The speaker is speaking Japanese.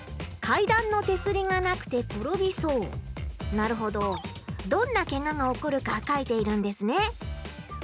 なるほどどんなケガが起こるか書いているんですね。